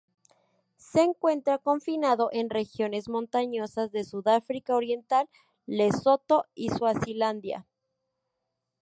Se encuentra confinado en regiones montañosas de Sudáfrica oriental, Lesoto y Suazilandia.